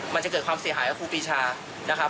มันจะเกิดความเสียหายกับครูปีชานะครับ